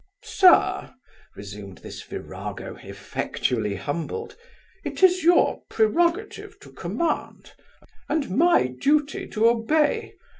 'Sir (resumed this virago, effectually humbled), it is your prerogative to command, and my duty to obey.